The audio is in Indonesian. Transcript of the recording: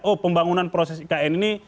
oh pembangunan proses ikn ini